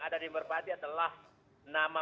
ada di merpati adalah nama